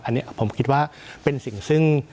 อันนี้ผมคิดว่าเป็นสิ่งซึ่ง